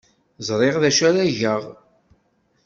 Ẓriɣ d acu ara geɣ.